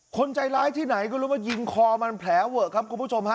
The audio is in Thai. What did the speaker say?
คนใจร้ายที่ไหนก็รู้ว่ายิงคอมันแผลเวอะครับคุณผู้ชมฮะ